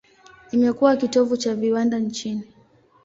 Imekuwa kitovu cha viwanda nchini.